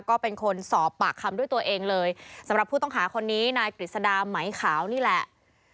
ก็เป็นคนสอบปากคำด้วยตัวเองเลยสำหรับผู้ต้องหาคนนี้นายกฤษดาไหมขาวนี่แหละ